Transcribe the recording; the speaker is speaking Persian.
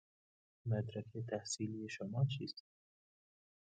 مدرک تحصیلی شما چیست؟